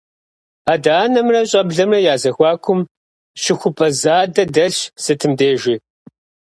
Адэ-анэмрэ щӀэблэмрэ я зэхуакум щыхупӀэ задэ дэлъщ сытым дежи.